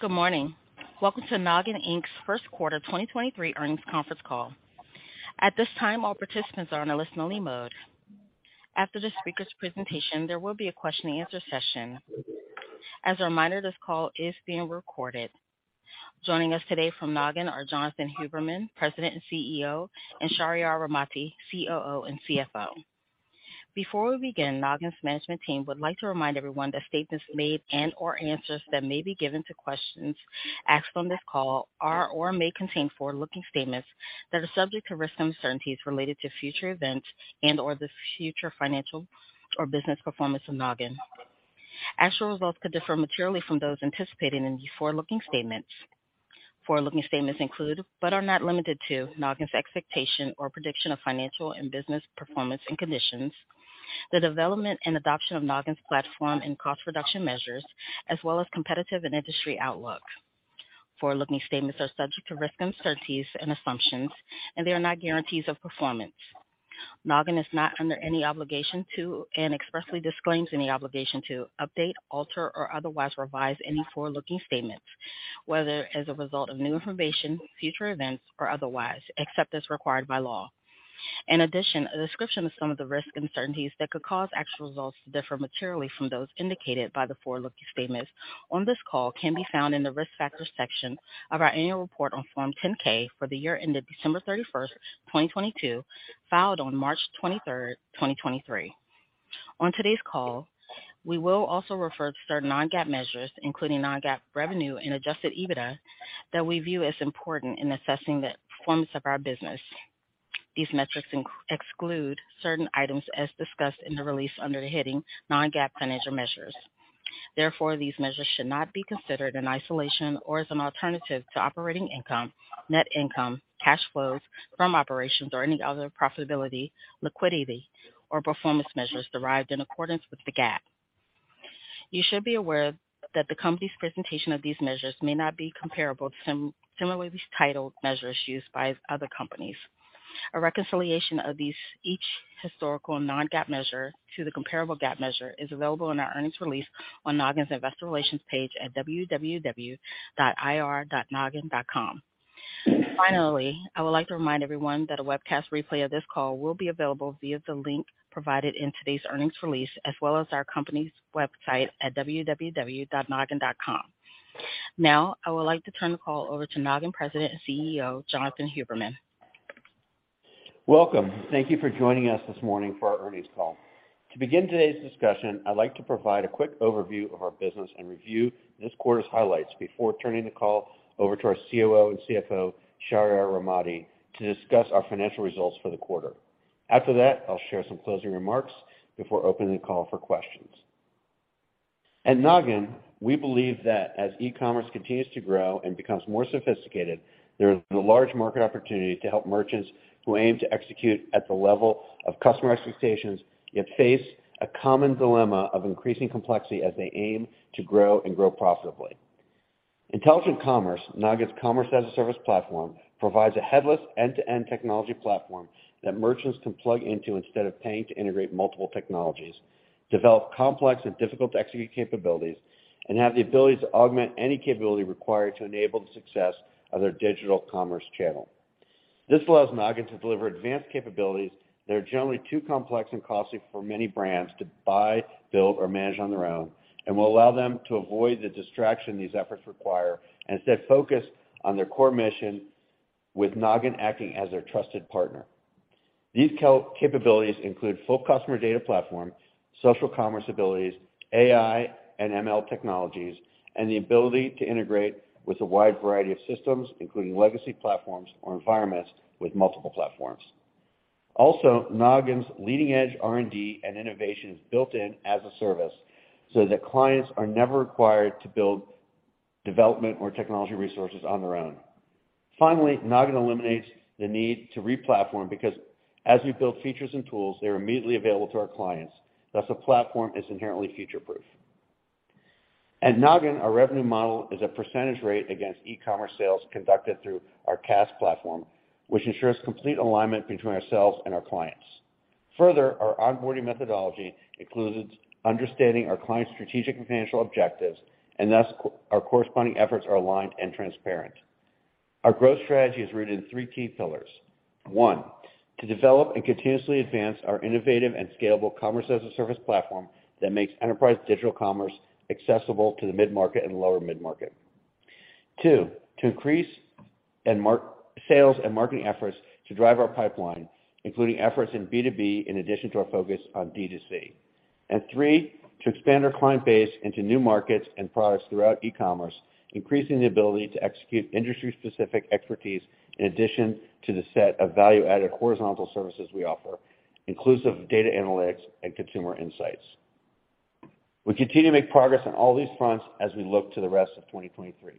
Good morning. Welcome to Nogin, Inc.'s First Quarter 2023 Earnings Conference Call. At this time, all participants are on a listen only mode. After the speaker's presentation, there will be a question and answer session. As a reminder, this call is being recorded. Joining us today from Nogin are Jonathan Huberman, President and CEO, and Shahriyar Rahmati, COO and CFO. Before we begin, Nogin's management team would like to remind everyone that statements made and or answers that may be given to questions asked on this call are or may contain forward-looking statements that are subject to risks and uncertainties related to future events and or the future financial or business performance of Nogin. Actual results could differ materially from those anticipated in these forward-looking statements. Forward-looking statements include, but are not limited to, Nogin's expectation or prediction of financial and business performance and conditions, the development and adoption of Nogin's platform and cost reduction measures, as well as competitive and industry outlook. Forward-looking statements are subject to risks, uncertainties and assumptions, and they are not guarantees of performance. Nogin is not under any obligation to, and expressly disclaims any obligation to update, alter or otherwise revise any forward-looking statements, whether as a result of new information, future events or otherwise, except as required by law. In addition, a description of some of the risks and uncertainties that could cause actual results to differ materially from those indicated by the forward-looking statements on this call can be found in the Risk Factors section of our annual report on Form 10-K for the year ended December 31st, 2022, filed on March 23rd, 2023. On today's call, we will also refer to certain non-GAAP measures, including non-GAAP revenue and Adjusted EBITDA, that we view as important in assessing the performance of our business. These metrics exclude certain items as discussed in the release under the heading Non-GAAP Financial Measures. These measures should not be considered in isolation or as an alternative to operating income, net income, cash flows from operations or any other profitability, liquidity or performance measures derived in accordance with GAAP. You should be aware that the company's presentation of these measures may not be comparable to similarly titled measures used by other companies. A reconciliation of these, each historical non-GAAP measure to the comparable GAAP measure is available in our earnings release on Nogin's Investor Relations page at www.ir.nogin.com. Finally, I would like to remind everyone that a webcast replay of this call will be available via the link provided in today's earnings release, as well as our company's website at www.nogin.com. Now I would like to turn the call over to Nogin President and CEO, Jonathan Huberman. Welcome. Thank you for joining us this morning for our earnings call. To begin today's discussion, I'd like to provide a quick overview of our business and review this quarter's highlights before turning the call over to our COO and CFO, Shahriyar Rahmati, to discuss our financial results for the quarter. After that, I'll share some closing remarks before opening the call for questions. At Nogin, we believe that as e-commerce continues to grow and becomes more sophisticated, there is a large market opportunity to help merchants who aim to execute at the level of customer expectations, yet face a common dilemma of increasing complexity as they aim to grow and grow profitably. Intelligent Commerce, Nogin's Commerce-as-a-Service platform, provides a headless end-to-end technology platform that merchants can plug into instead of paying to integrate multiple technologies, develop complex and difficult to execute capabilities, and have the ability to augment any capability required to enable the success of their digital commerce channel. This allows Nogin to deliver advanced capabilities that are generally too complex and costly for many brands to buy, build or manage on their own, and will allow them to avoid the distraction these efforts require and instead focus on their core mission, with Nogin acting as their trusted partner. These capabilities include full customer data platform, social commerce abilities, AI and ML technologies, and the ability to integrate with a wide variety of systems, including legacy platforms or environments with multiple platforms. Nogin's leading edge R&D and innovation is built in as a service so that clients are never required to build development or technology resources on their own. Finally, Nogin eliminates the need to re-platform because as we build features and tools, they are immediately available to our clients thus the platform is inherently future-proof. At Nogin, our revenue model is a percentage rate against e-commerce sales conducted through our CaaS platform, which ensures complete alignment between ourselves and our clients. Further, our onboarding methodology includes understanding our clients' strategic and financial objectives and thus our corresponding efforts are aligned and transparent. Our growth strategy is rooted in three key pillars. One, to develop and continuously advance our innovative and scalable Commerce-as-a-Service platform that makes enterprise digital commerce accessible to the mid-market and lower mid-market. Two, to increase sales and marketing efforts to drive our pipeline, including efforts in B2B in addition to our focus on D2C. Three, to expand our client base into new markets and products throughout e-commerce, increasing the ability to execute industry specific expertise in addition to the set of value-added horizontal services we offer inclusive of data analytics and consumer insights. We continue to make progress on all these fronts as we look to the rest of 2023.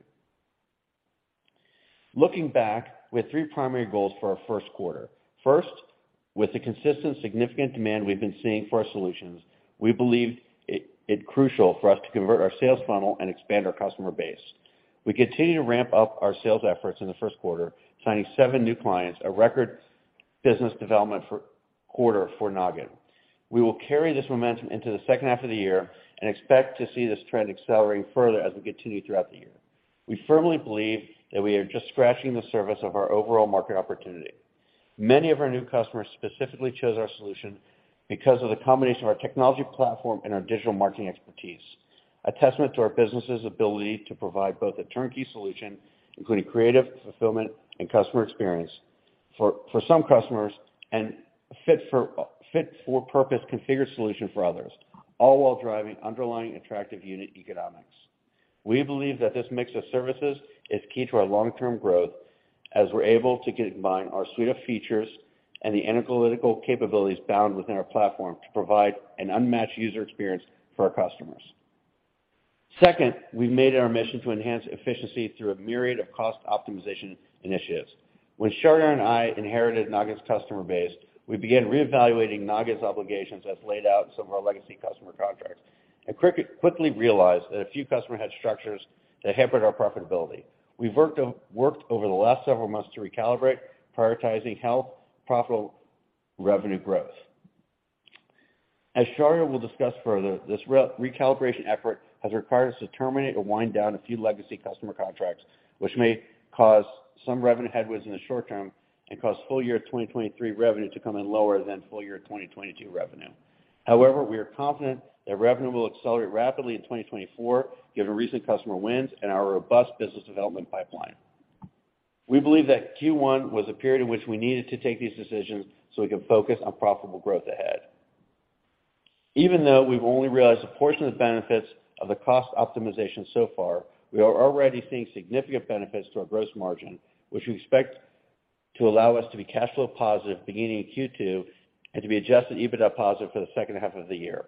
Looking back, we had three primary goals for our first quarter. first, with the consistent significant demand we've been seeing for our solutions, we believe it crucial for us to convert our sales funnel and expand our customer base. We continue to ramp up our sales efforts in the first quarter, signing seven new clients, a record business development for quarter for Nogin. We will carry this momentum into the second half of the year and expect to see this trend accelerating further as we continue throughout the year. We firmly believe that we are just scratching the surface of our overall market opportunity. Many of our new customers specifically chose our solution because of the combination of our technology platform and our digital marketing expertise, a testament to our business's ability to provide both a turnkey solution, including creative fulfillment and customer experience for some customers, and fit for purpose configured solution for others, all while driving underlying attractive unit economics. We believe that this mix of services is key to our long-term growth as we're able to combine our suite of features and the analytical capabilities bound within our platform to provide an unmatched user experience for our customers. Second, we've made it our mission to enhance efficiency through a myriad of cost optimization initiatives. When Shahryar and I inherited Nogin's customer base, we began reevaluating Nogin's obligations as laid out in some of our legacy customer contracts, and quickly realized that a few customer had structures that hampered our profitability. We've worked over the last several months to recalibrate, prioritizing health, profitable revenue growth. As Shahryar will discuss further, this re-recalibration effort has required us to terminate or wind down a few legacy customer contracts, which may cause some revenue headwinds in the short term and cause full year 2023 revenue to come in lower than full year 2022 revenue. We are confident that revenue will accelerate rapidly in 2024 given recent customer wins and our robust business development pipeline. We believe that Q1 was a period in which we needed to take these decisions so we can focus on profitable growth ahead. Even though we've only realized a portion of the benefits of the cost optimization so far, we are already seeing significant benefits to our gross margin, which we expect to allow us to be cash flow positive beginning in Q2 and to be Adjusted EBITDA positive for the second half of the year.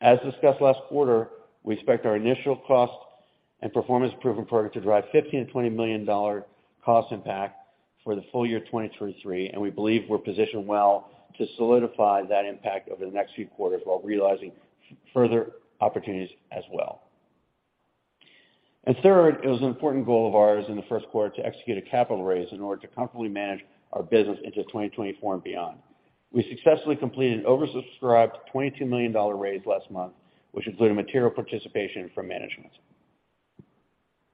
As discussed last quarter, we expect our initial cost and performance improvement program to drive $15 million-$20 million cost impact for the full year 2023, we believe we're positioned well to solidify that impact over the next few quarters while realizing further opportunities as well. Third, it was an important goal of ours in the first quarter to execute a capital raise in order to comfortably manage our business into 2024 and beyond. We successfully completed an oversubscribed $22 million raise last month, which included material participation from management.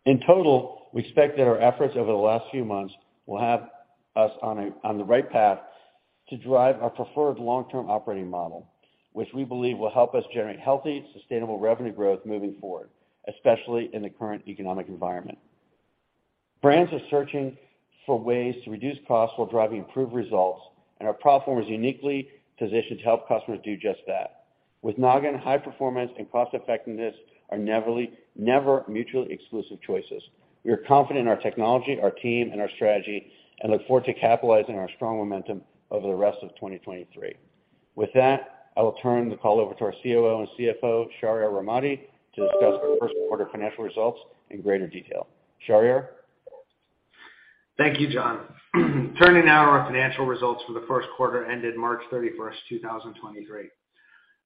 In total, we expect that our efforts over the last few months will have us on the right path to drive our preferred long-term operating model, which we believe will help us generate healthy, sustainable revenue growth moving forward, especially in the current economic environment. Brands are searching for ways to reduce costs while driving improved results, and our platform is uniquely positioned to help customers do just that. With Nogin, high performance and cost effectiveness are never mutually exclusive choices. We are confident in our technology, our team, and our strategy and look forward to capitalizing on our strong momentum over the rest of 2023. With that, I will turn the call over to our COO and CFO, Shahriyar Rahmati, to discuss our first quarter financial results in greater detail. Shahriyar. Thank you, John. Turning now to our financial results for the first quarter ended March thirty-first, 2023.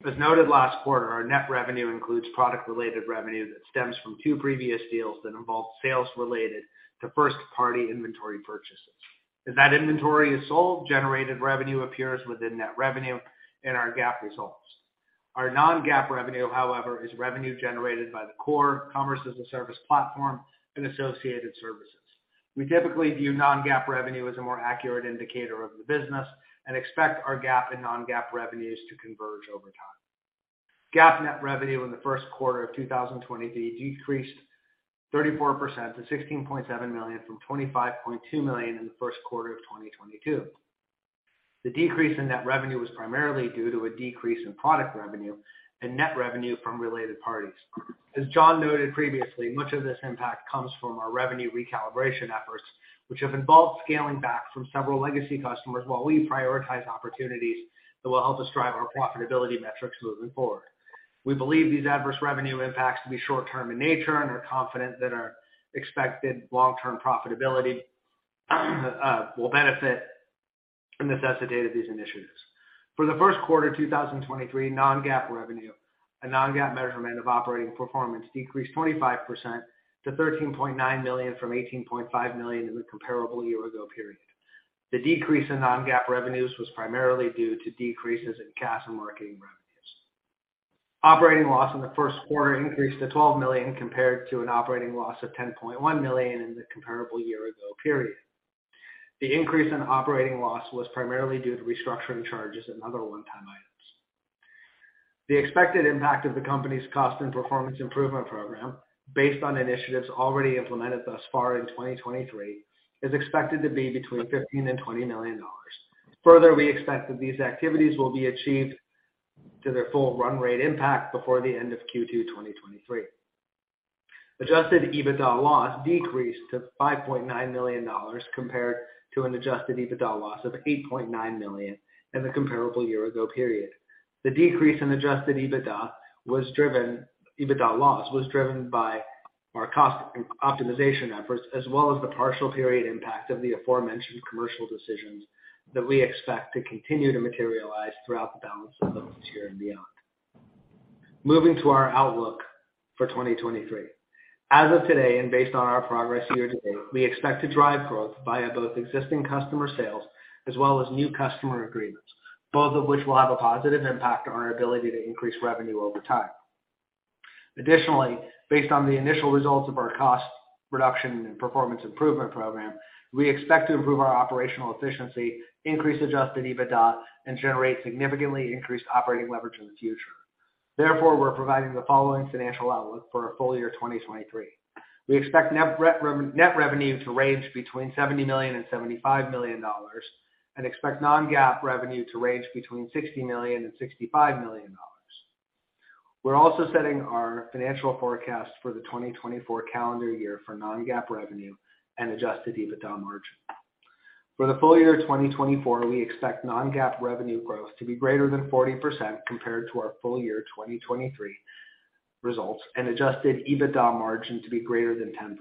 As noted last quarter, our net revenue includes product-related revenue that stems from two previous deals that involved sales related to first-party inventory purchases. As that inventory is sold, generated revenue appears within net revenue and our GAAP results. Our non-GAAP revenue, however, is revenue generated by the core Commerce-as-a-Service platform and associated services. We typically view non-GAAP revenue as a more accurate indicator of the business and expect our GAAP and non-GAAP revenues to converge over time. GAAP net revenue in the first quarter of 2023 decreased 34% to $16.7 million from $25.2 million in the first quarter of 2022. The decrease in net revenue was primarily due to a decrease in product revenue and net revenue from related parties. As John noted previously, much of this impact comes from our revenue recalibration efforts, which have involved scaling back from several legacy customers while we prioritize opportunities that will help us drive our profitability metrics moving forward. We believe these adverse revenue impacts to be short term in nature, and we're confident that our expected long-term profitability will benefit from the necessity of these initiatives. For the first quarter 2023, non-GAAP revenue, a non-GAAP measurement of operating performance, decreased 25% to $13.9 million from $18.5 million in the comparable year ago period. The decrease in non-GAAP revenues was primarily due to decreases in CaaS and marketing revenues. Operating loss in the first quarter increased to $12 million compared to an operating loss of $10.1 million in the comparable year ago period. The increase in operating loss was primarily due to restructuring charges and other one-time items. The expected impact of the company's cost and performance improvement program, based on initiatives already implemented thus far in 2023, is expected to be between $15 million and $20 million. Further, we expect that these activities will be achieved to their full run rate impact before the end of Q2 2023. Adjusted EBITDA loss decreased to $5.9 million compared to an Adjusted EBITDA loss of $8.9 million in the comparable year ago period. The decrease in Adjusted EBITDA loss was driven by our cost optimization efforts as well as the partial period impact of the aforementioned commercial decisions that we expect to continue to materialize throughout the balance of this year and beyond. Moving to our outlook for 2023. As of today, based on our progress year-to-date, we expect to drive growth via both existing customer sales as well as new customer agreements, both of which will have a positive impact on our ability to increase revenue over time. Additionally, based on the initial results of our cost reduction and performance improvement program, we expect to improve our operational efficiency, increase Adjusted EBITDA, and generate significantly increased operating leverage in the future. Therefore, we're providing the following financial outlook for our full year 2023. We expect net revenue to range between $70 million and $75 million and expect non-GAAP revenue to range between $60 million and $65 million. We're also setting our financial forecast for the 2024 calendar year for non-GAAP revenue and Adjusted EBITDA margin. For the full year 2024, we expect non-GAAP revenue growth to be greater than 40% compared to our full year 2023 results, and Adjusted EBITDA margin to be greater than 10%.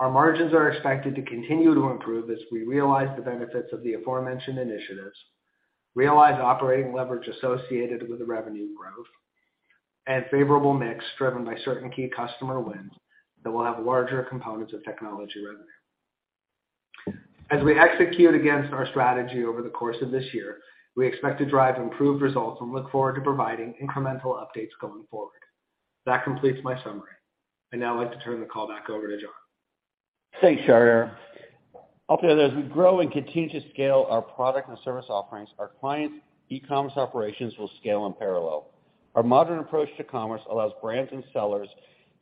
Our margins are expected to continue to improve as we realize the benefits of the aforementioned initiatives, realize operating leverage associated with the revenue growth, and favorable mix driven by certain key customer wins that will have larger components of technology revenue. As we execute against our strategy over the course of this year, we expect to drive improved results and look forward to providing incremental updates going forward. That completes my summary. I'd now like to turn the call back over to John. Thanks, Shari. I'll tell you, as we grow and continue to scale our product and service offerings, our clients' e-commerce operations will scale in parallel. Our modern approach to commerce allows brands and sellers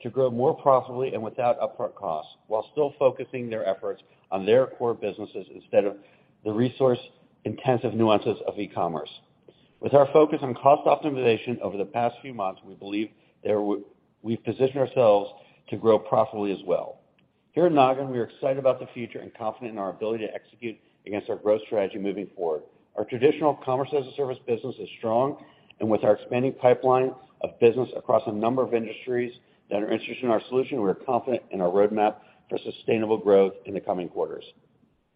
to grow more profitably and without upfront costs, while still focusing their efforts on their core businesses instead of the resource-intensive nuances of e-commerce. With our focus on cost optimization over the past few months, we believe that we've positioned ourselves to grow profitably as well. Here at Nogin, we are excited about the future and confident in our ability to execute against our growth strategy moving forward. Our traditional Commerce-as-a-Service business is strong. With our expanding pipeline of business across a number of industries that are interested in our solution, we're confident in our roadmap for sustainable growth in the coming quarters.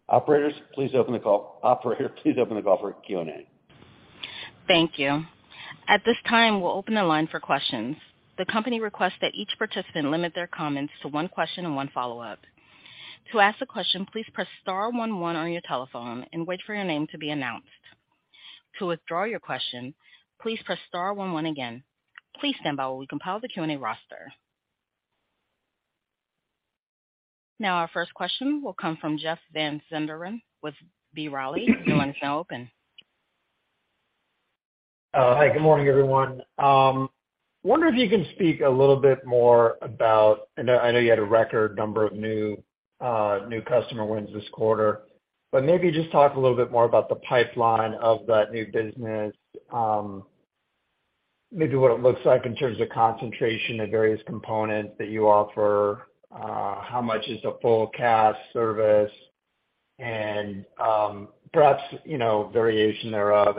Operators, please open the call. Operator, please open the call for Q&A. Thank you. At this time, we'll open the line for questions. The company requests that each participant limit their comments to one question and one follow-up. To ask a question, please press star one one on your telephone and wait for your name to be announced. To withdraw your question, please press star one one again. Please stand by while we compile the Q&A roster. Now our first question will come from Jeff Van Sinderen with B. Riley. Your line is now open. Hi, good morning, everyone. Wonder if you can speak a little bit more about? I know you had a record number of new customer wins this quarter, but maybe just talk a little bit more about the pipeline of that new business. Maybe what it looks like in terms of concentration of various components that you offer, how much is the full CaaS service and, perhaps, you know, variation thereof.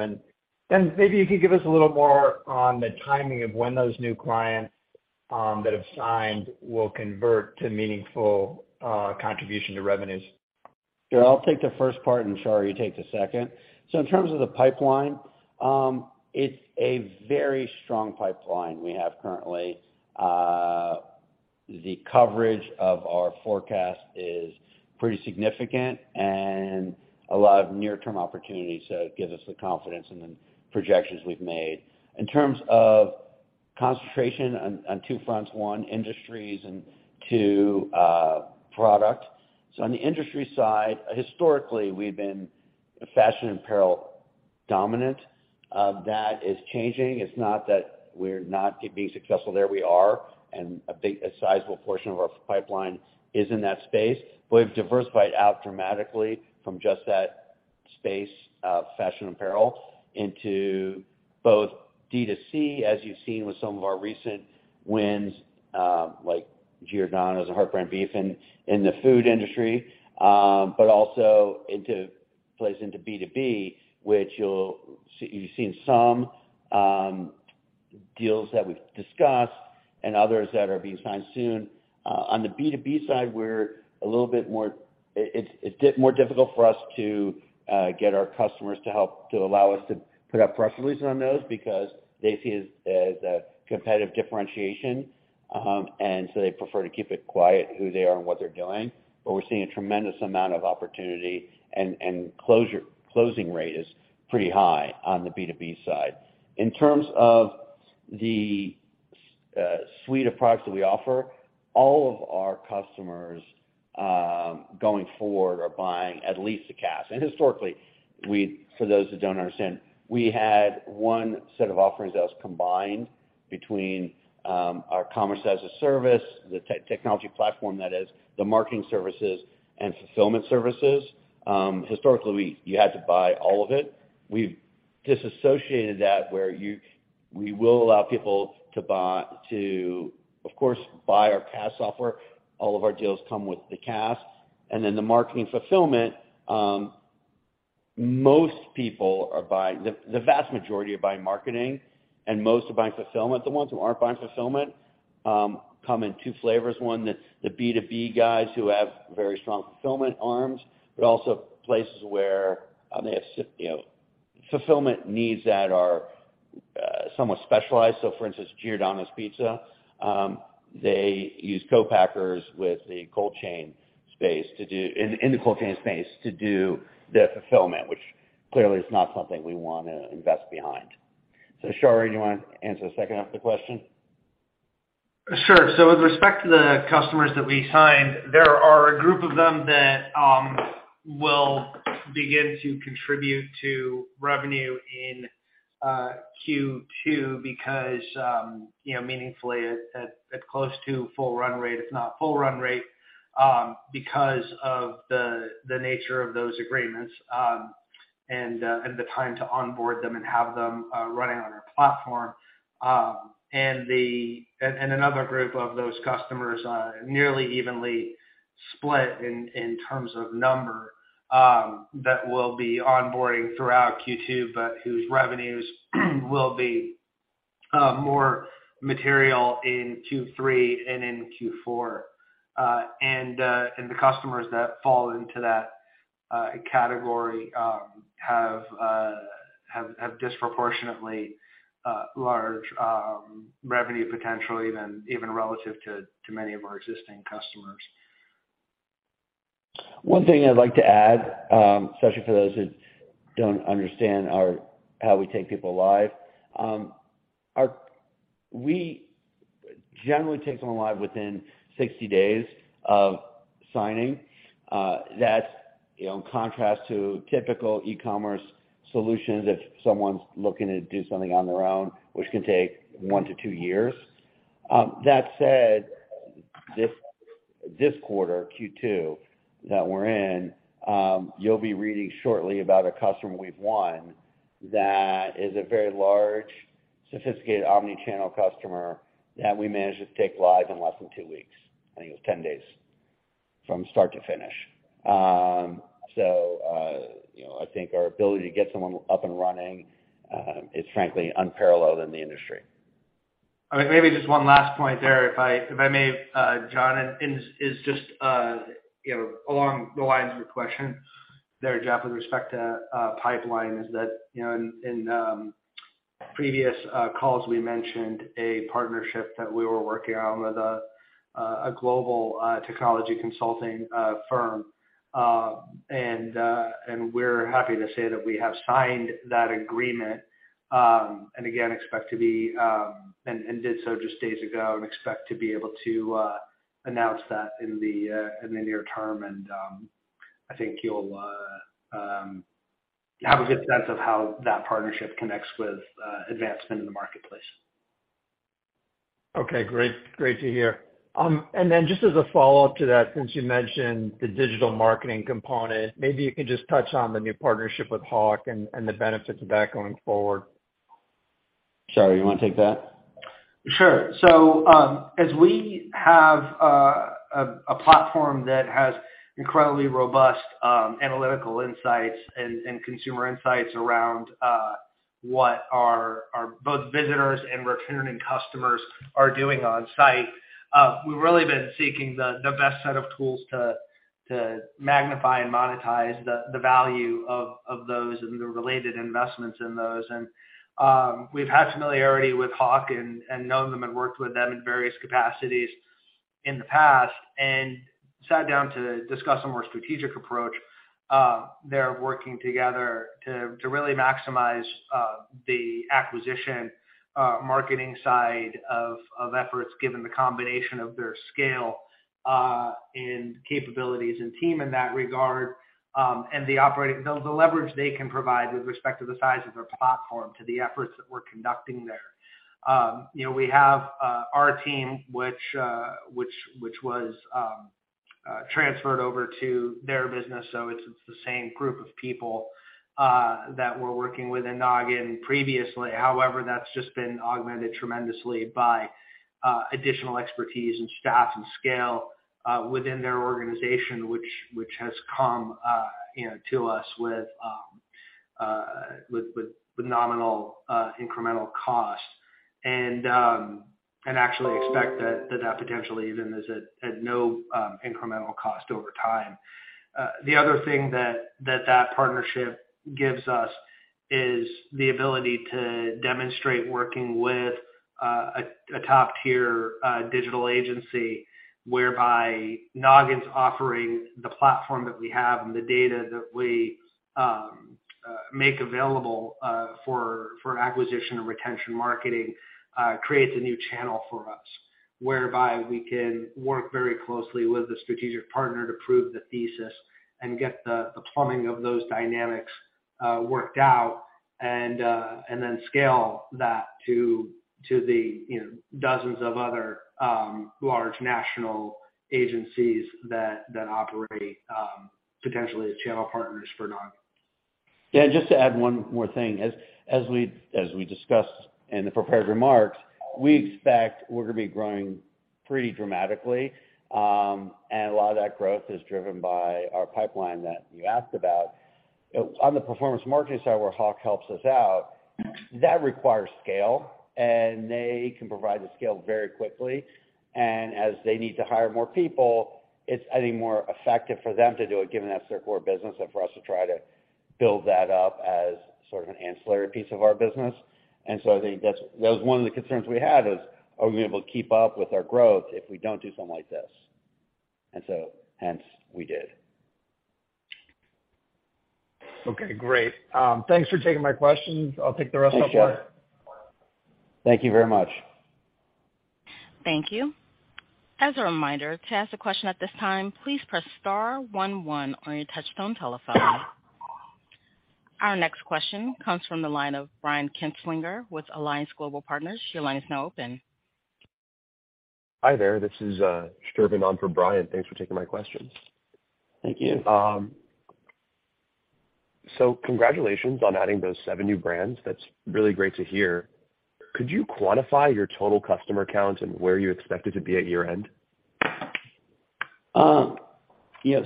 Maybe you could give us a little more on the timing of when those new clients that have signed will convert to meaningful contribution to revenues. Sure. I'll take the first part, and Shari takes the second. In terms of the pipeline, it's a very strong pipeline we have currently. The coverage of our forecast is pretty significant and a lot of near-term opportunities, so it gives us the confidence in the projections we've made. In terms of concentration on two fronts. One, industries, and two, product. On the industry side, historically, we've been fashion apparel dominant. That is changing. It's not that we're not being successful there. We are, and a big, a sizable portion of our pipeline is in that space. We've diversified out dramatically from just that space, fashion apparel, into both D2C, as you've seen with some of our recent wins, like Giordano's and HeartBrand Beef in the food industry, but also into places into B2B, which you'll see, you've seen some deals that we've discussed and others that are being signed soon. On the B2B side, we're a little bit more it's more difficult for us to get our customers to help to allow us to put out press releases on those because they see it as a competitive differentiation, and so they prefer to keep it quiet who they are and what they're doing. We're seeing a tremendous amount of opportunity and closing rate is pretty high on the B2B side. In terms of the suite of products that we offer, all of our customers, going forward are buying at least the CaaS. Historically, for those that don't understand, we had one set of offerings that was combined between, our Commerce-as-a-Service, the technology platform, that is the marketing services and fulfillment services. Historically, you had to buy all of it. We've disassociated that where we will allow people to, of course, buy our CaaS software. All of our deals come with the CaaS. Then the marketing fulfillment, most people are buying... The vast majority are buying marketing and most are buying fulfillment. The ones who aren't buying fulfillment come in two flavors. One, the B2B guys who have very strong fulfillment arms, but also places where they have you know, fulfillment needs that are somewhat specialized. For instance, Giordano's Pizza, they use co-packers with the cold chain space to do their fulfillment, which clearly is not something we wanna invest behind. Shahriyar, you wanna answer the second half of the question? Sure. With respect to the customers that we signed, there are a group of them that will begin to contribute to revenue in Q2 because, you know, meaningfully at close to full run rate, if not full run rate, because of the nature of those agreements, and the time to onboard them and have them running on our platform. And another group of those customers, nearly evenly split in terms of number, that we'll be onboarding throughout Q2, but whose revenues will be more material in Q3 and in Q4. And the customers that fall into that category have disproportionately large revenue potential even relative to many of our existing customers. One thing I'd like to add, especially for those who don't understand how we take people live. We generally take someone live within 60 days of signing. That's, you know, in contrast to typical ecommerce solutions if someone's looking to do something on their own, which can take one to two years. That said, this quarter, Q2, that we're in, you'll be reading shortly about a customer we've won that is a very large, sophisticated omnichannel customer that we managed to take live in less than two weeks. I think it was 10 days from start to finish. You know, I think our ability to get someone up and running, is frankly unparalleled in the industry. All right, maybe just one last point there, if I may, John, and is just, you know, along the lines of your question there, Jeff, with respect to pipeline is that, you know, in previous calls, we mentioned a partnership that we were working on with a global technology consulting firm. We're happy to say that we have signed that agreement, and again, expect to be, did so just days ago and expect to be able to announce that in the near term. I think you'll have a good sense of how that partnership connects with advancement in the marketplace. Okay. Great, great to hear. Then just as a follow-up to that, since you mentioned the digital marketing component, maybe you could just touch on the new partnership with Hawke and the benefits of that going forward. Shahriyar, you wanna take that? Sure. As we have a platform that has incredibly robust analytical insights and consumer insights around what our both visitors and returning customers are doing on site, we've really been seeking the best set of tools to magnify and monetize the value of those and the related investments in those. We've had familiarity with Hawke and known them and worked with them in various capacities in the past and sat down to discuss a more strategic approach there working together to really maximize the acquisition marketing side of efforts, given the combination of their scale and capabilities and team in that regard, and the leverage they can provide with respect to the size of their platform to the efforts that we're conducting there. You know, we have our team which was transferred over to their business, so it's the same group of people that we're working with in Nogin previously. That's just been augmented tremendously by additional expertise and staff and scale within their organization, which has come, you know, to us with nominal incremental cost. Actually expect that potentially even is at no incremental cost over time. The other thing that partnership gives us is the ability to demonstrate working with a top-tier digital agency whereby Nogin's offering the platform that we have and the data that we make available for acquisition and retention marketing creates a new channel for us, whereby we can work very closely with a strategic partner to prove the thesis and get the plumbing of those dynamics worked out and then scale that to the, you know, dozens of other large national agencies that operate potentially as channel partners for Nogin. Just to add one more thing. As we discussed in the prepared remarks, we expect we're gonna be growing pretty dramatically. A lot of that growth is driven by our pipeline that you asked about. On the performance marketing side, where Hawke helps us out, that requires scale, they can provide the scale very quickly. As they need to hire more people, it's, I think, more effective for them to do it, given that's their core business than for us to try to build that up as sort of an ancillary piece of our business. I think that was one of the concerns we had is, are we able to keep up with our growth if we don't do something like this? Hence we did. Great. Thanks for taking my questions. I'll take the rest off the line. Thanks, Jeff. Thank you very much. Thank you. As a reminder, to ask a question at this time, please press star one one on your touchtone telephone. Our next question comes from the line of Brian Kinstlinger with Alliance Global Partners. Your line is now open. Hi there. This is Sherman on for Brian. Thanks for taking my questions. Thank you. Congratulations on adding those seven new brands. That's really great to hear. Could you quantify your total customer count and where you expect it to be at year-end?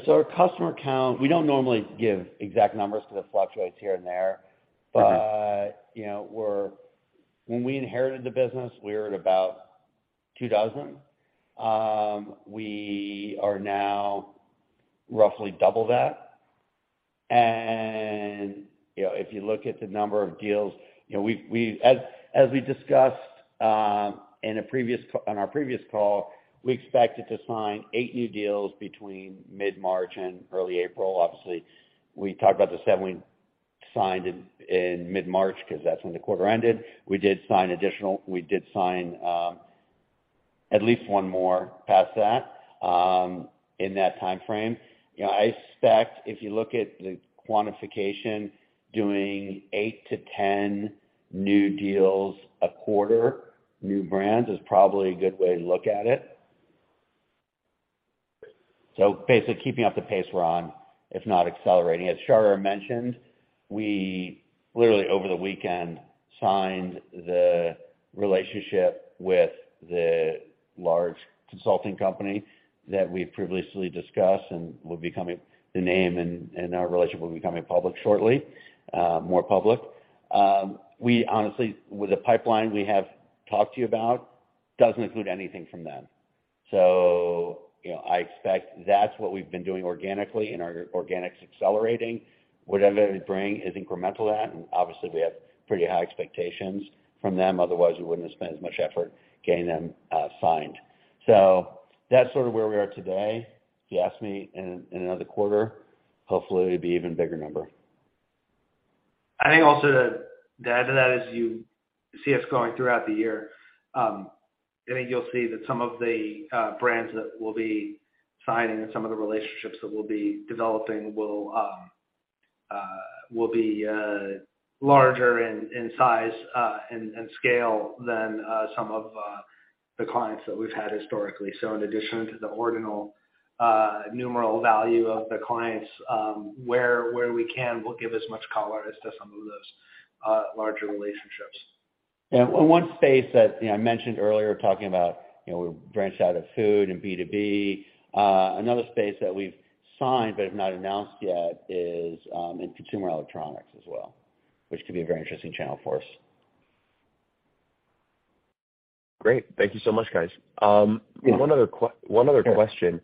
Our customer count, we don't normally give exact numbers because it fluctuates here and there. Okay. You know, when we inherited the business, we were at about two dozen. We are now roughly double that. You know, if you look at the number of deals, you know, we discussed on our previous call, we expected to sign 8 new deals between mid-March and early April. Obviously, we talked about the seven we signed in mid-March because that's when the quarter ended. We did sign at least one more past that in that timeframe. You know, I expect if you look at the quantification, doing 8-10 new deals a quarter, new brands, is probably a good way to look at it. Basically keeping up the pace we're on, if not accelerating. As Shahriyar mentioned, we literally over the weekend signed the relationship with the large consulting company that we've previously discussed, and the name and our relationship will be coming public shortly, more public. We honestly, with the pipeline we have talked to you about, doesn't include anything from them. You know, I expect that's what we've been doing organically, and our organic's accelerating. Whatever they bring is incremental to that, and obviously we have pretty high expectations from them. Otherwise, we wouldn't have spent as much effort getting them signed. That's sort of where we are today. If you ask me in another quarter, hopefully it'll be even bigger number. I think also to add to that, as you see us going throughout the year, I think you'll see that some of the brands that we'll be signing and some of the relationships that we'll be developing will be larger in size and scale than some of the clients that we've had historically. In addition to the ordinal numeral value of the clients, where we can, we'll give as much color as to some of those larger relationships. Yeah. One space that, you know, I mentioned earlier talking about, you know, we branched out of food and B2B. Another space that we've signed but have not announced yet is in consumer electronics as well, which could be a very interesting channel for us. Great. Thank you so much, guys. Sure. One other question.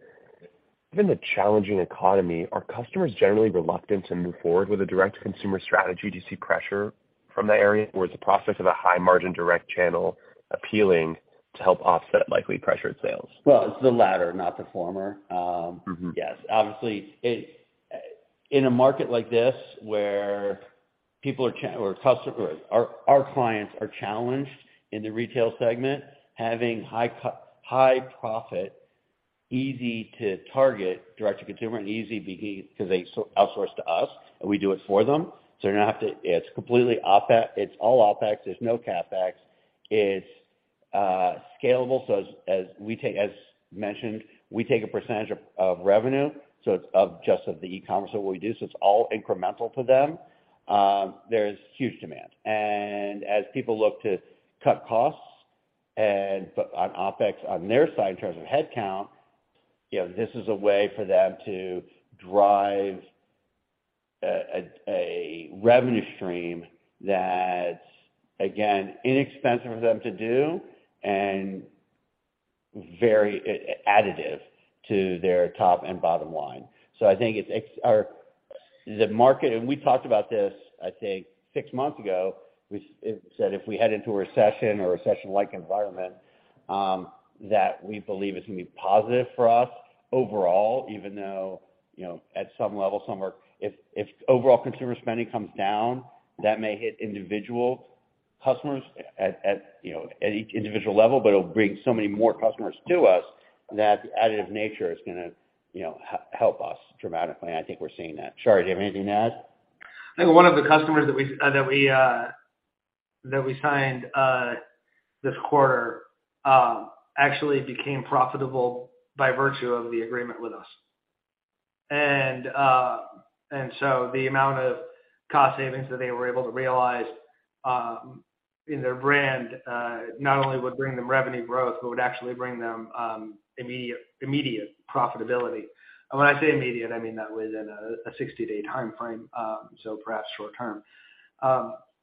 Given the challenging economy, are customers generally reluctant to move forward with a direct-to-consumer strategy? Do you see pressure from that area, or is the prospect of a high-margin direct channel appealing to help offset likely pressured sales? It's the latter, not the former. Mm-hmm. Yes. Obviously, in a market like this where people are our clients are challenged in the retail segment, having high profit, easy to target direct to consumer and easy because they outsource to us, and we do it for them. It's completely OPEX. It's all OPEX. There's no CapEx. It's scalable. As we take, as mentioned, we take a percentage of revenue, it's of just of the e-commerce of what we do, it's all incremental to them. There's huge demand. As people look to cut costs and put on OPEX on their side in terms of headcount, you know, this is a way for them to drive a revenue stream that's, again, inexpensive for them to do and very additive to their top and bottom line. I think it's or the market, and we talked about this, I'd say six months ago. We said if we head into a recession or a recession-like environment, that we believe it's gonna be positive for us overall, even though, you know, at some level, if overall consumer spending comes down, that may hit individual customers at, you know, at each individual level, but it'll bring so many more customers to us that the additive nature is gonna, you know, help us dramatically, and I think we're seeing that. Char, do you have anything to add? I think one of the customers that we signed this quarter actually became profitable by virtue of the agreement with us. The amount of cost savings that they were able to realize in their brand not only would bring them revenue growth, but would actually bring them immediate profitability. When I say immediate, I mean that within a 60-day timeframe, so perhaps short term.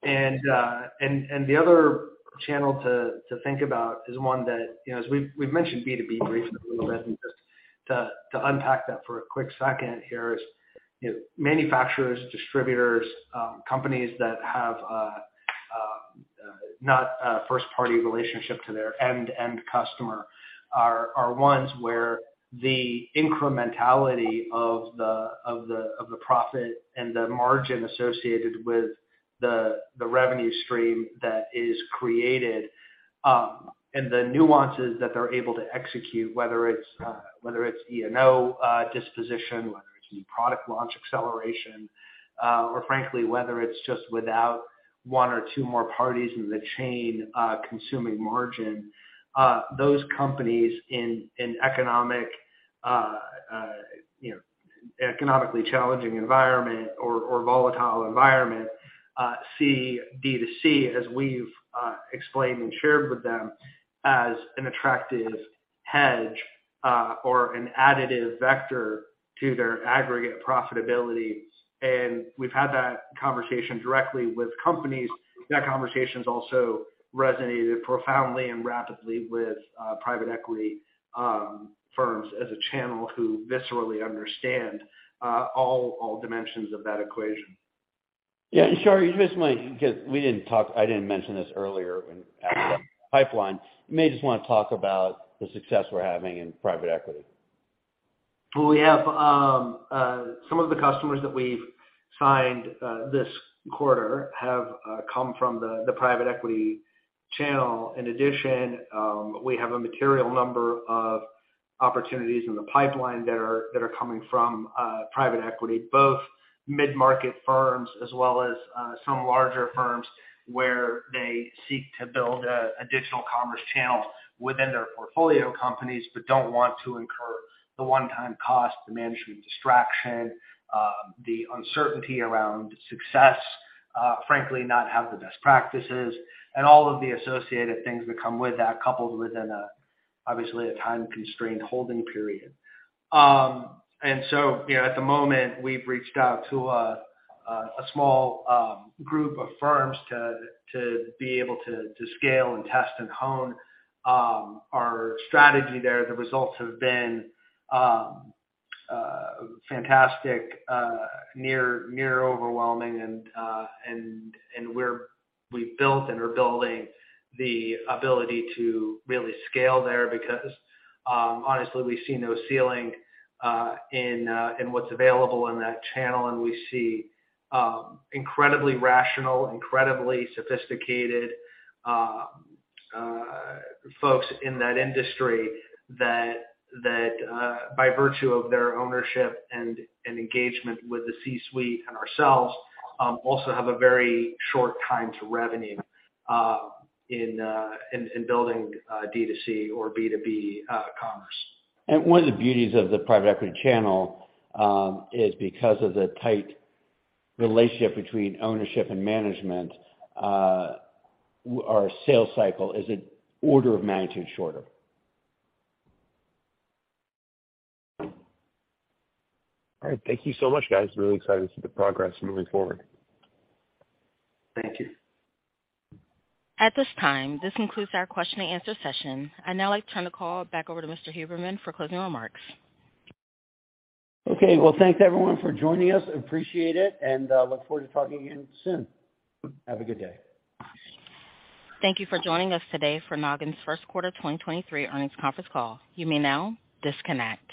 And the other channel to think about is one that, you know, as we've mentioned B2B briefly a little bit, and just to unpack that for a quick second here is, you know, manufacturers, distributors, companies that have not a first party relationship to their end-end customer are ones where the incrementality of the profit and the margin associated with the revenue stream that is created, and the nuances that they're able to execute, whether it's E&O disposition, whether it's new product launch acceleration, or frankly, whether it's just without one or two more parties in the chain consuming margin, those companies in an economic, you know, economically challenging environment or volatile environment, see D2C as we've explained and shared with them as an attractive hedge or an additive vector to their aggregate profitability. We've had that conversation directly with companies. That conversation's also resonated profoundly and rapidly with private equity firms as a channel who viscerally understand all dimensions of that equation. Yeah. Shahriyar, I didn't mention this earlier when asking about the pipeline. You may just wanna talk about the success we're having in private equity. Well, we have some of the customers that we've signed this quarter have come from the private equity channel. We have a material number of opportunities in the pipeline that are coming from private equity, both mid-market firms as well as some larger firms where they seek to build a additional commerce channel within their portfolio companies, but don't want to incur the one-time cost, the management distraction, the uncertainty around success, frankly, not have the best practices and all of the associated things that come with that coupled within a, obviously, a time-constrained holding period. You know, at the moment, we've reached out to a small group of firms to be able to scale and test and hone our strategy there. The results have been fantastic, near overwhelming and we've built and are building the ability to really scale there because honestly, we see no ceiling in what's available in that channel. We see incredibly rational, incredibly sophisticated folks in that industry that by virtue of their ownership and engagement with the C-suite and ourselves, also have a very short time to revenue in building D2C or B2B commerce. One of the beauties of the private equity channel is because of the tight relationship between ownership and management, our sales cycle is an order of magnitude shorter. All right. Thank you so much, guys. Really excited to see the progress moving forward. Thank you. At this time, this concludes our question and answer session. I'd now like to turn the call back over to Mr. Huberman for closing remarks. Okay. Well, thanks everyone for joining us. Appreciate it, and look forward to talking again soon. Have a good day. Thank you for joining us today for Nogin's first quarter 2023 earnings conference call. You may now disconnect.